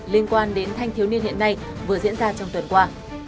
liên quan đến thanh thiếu niên hiện nay vừa diễn ra trong tuần qua